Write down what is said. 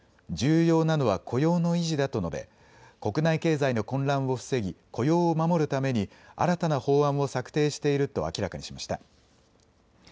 重要なのは雇用の維持だと述べ国内経済の混乱を防ぎ雇用を守るために新たな法案を策定していると明らかにしました。